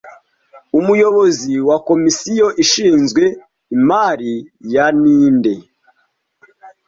Umuyobozi wa komisiyo ishinzwe imari ya ninde